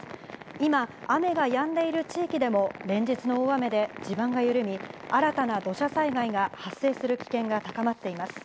今、雨がやんでいる地域でも、連日の大雨で地盤が緩み、新たな土砂災害が発生する危険が高まっています。